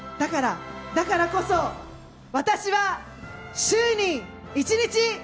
だからこそ、私は週に１日！